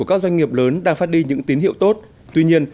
đó là chiến lược phát triển của chúng tôi